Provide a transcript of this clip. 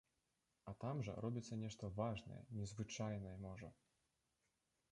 А там жа робіцца нешта важнае, незвычайнае, можа.